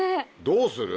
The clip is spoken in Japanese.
どうする？